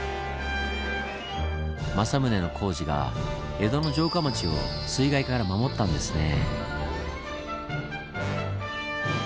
政宗の工事が江戸の城下町を水害から守ったんですね。